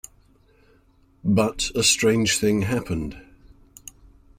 But a strange thing happened.